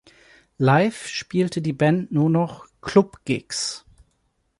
Live spielte die Band nur noch "Club Gigs".